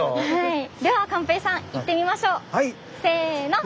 では寛平さん行ってみましょう！